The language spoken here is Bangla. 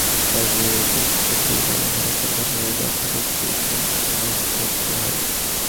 কাজেই দেশটিতে চুল পড়ার সমস্যায় আক্রান্ত ব্যক্তিদের চুল প্রতিস্থাপনে অস্ত্রোপচারে হয়।